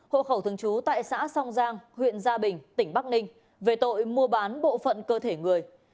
hộ khẩu thường trú tại xã song giang huyện gia bình tỉnh bắc ninh về tội mua bán bộ phận cơ thể người